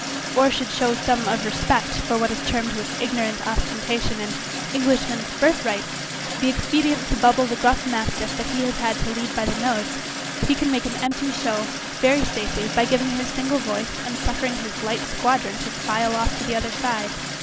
Or should some show of respect, for what is termed with ignorant ostentation an Englishman's birth right, be expedient to bubble the gruff mastiff that he has to lead by the nose, he can make an empty show, very safely, by giving his single voice, and suffering his light squadron to file off to the other side.